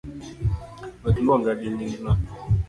Wek luonga gi nyingno